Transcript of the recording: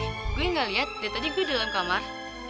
gue gak liat dia tadi gue dalam kamar